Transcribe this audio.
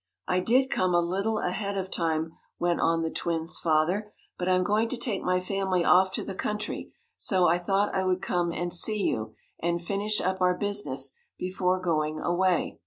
"I did come a little ahead of time," went on the twins' father. "But I am going to take my family off to the country, so I thought I would come and see you, and finish up our business before going away."